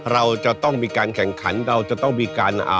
เราจะต้องมีการแข่งขันเราจะต้องมีการอ่า